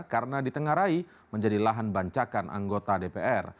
karena ditengarai menjadi lahan bancakan anggota dpr